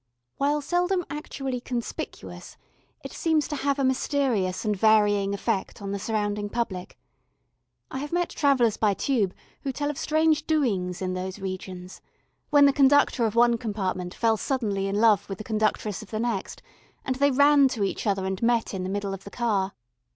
While seldom actually conspicuous, it seems to have a mysterious and varying effect on the surrounding public. I have met travellers by Tube who tell of strange doings in those regions, when the conductor of one compartment fell suddenly in love with the conductress of the next, and they ran to each other and met in the middle of the car.